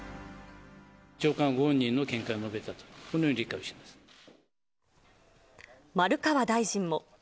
長官ご本人の見解を述べたと、丸川大臣も。